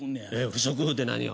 不織布って何よ。